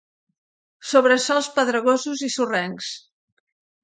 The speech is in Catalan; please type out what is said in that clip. Sobre sòls pedregosos i sorrencs.